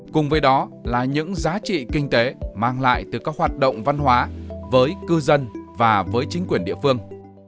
cùng với đó là những giá trị kinh tế mang lại từ các hoạt động văn hóa với cư dân và với chính quyền địa phương